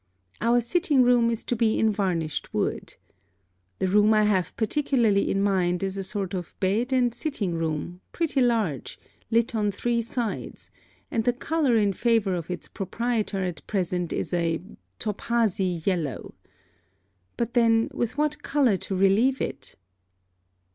Our sitting room is to be in varnished wood. The room I have particularly in mind is a sort of bed and sitting room, pretty large, lit on three sides, and the colour in favour of its proprietor at present is a topazy yellow. But then with what colour to relieve it?